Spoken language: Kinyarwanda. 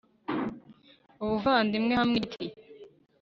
ubuvandimwe hamwe nigiti